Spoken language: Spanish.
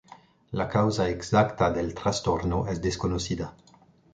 La causa exacta del trastorno es desconocida.